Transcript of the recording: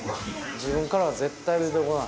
自分からは絶対出て来ない。